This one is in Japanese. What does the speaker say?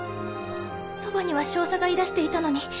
そばには少佐がいらしていたのに。